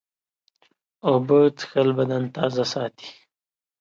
اوبه څښل بدن تازه ساتي.